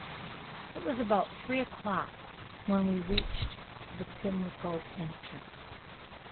It was about three o'clock when we reached the Pimlico entrance.